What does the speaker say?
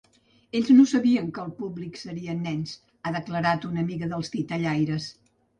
Ells no sabien que el públic serien nens, ha declarat una amiga dels titellaires.